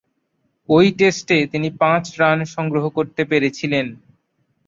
ঐ টেস্টে তিনি পাঁচ রান সংগ্রহ করতে পেরেছিলেন।